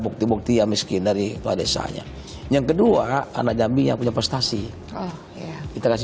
bukti bukti yang miskin dari pak desanya yang kedua anak jambi yang punya prestasi kita kasih